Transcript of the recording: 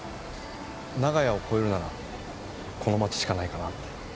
長屋を超えるならこの街しかないかなって。